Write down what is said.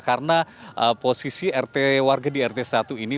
karena posisi rt warga di rt satu ini berada di semanitnya